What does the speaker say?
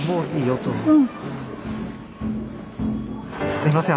すいません。